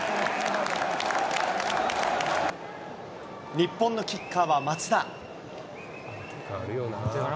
日本のキッカーは松田。